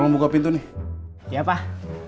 tolong buka pintu nih iya pak